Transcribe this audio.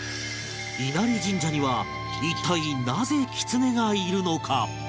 稲荷神社には一体なぜキツネがいるのか？